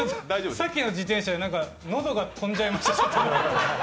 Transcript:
さっきの自転車で喉が飛んじゃいました。